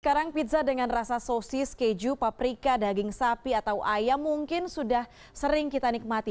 sekarang pizza dengan rasa sosis keju paprika daging sapi atau ayam mungkin sudah sering kita nikmati